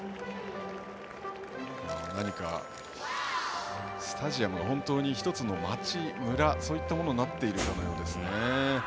何か、スタジアムが本当に１つの街、村そういったものになっているかのようですね。